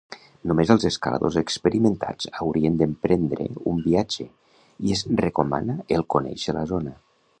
Només els escaladors experimentats haurien d'emprendre un viatge, i es recomana el conèixer la zona.